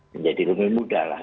menjadi lebih mudah